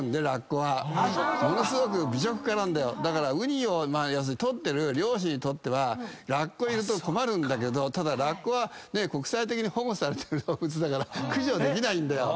ものすごく美食家なんだよだからウニを取ってる漁師にとってはラッコいると困るんだけどただラッコは国際的に保護されてる動物だから駆除できないんだよ。